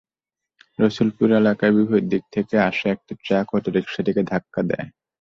রসুলপুর এলাকায় বিপরীত দিক থেকে আসা একটি ট্রাক অটোরিকশাটিকে ধাক্কা দেয়।